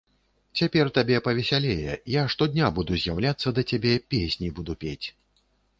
Цяпер табе павесялее, я штодня буду з'яўляцца да цябе, песні буду пець.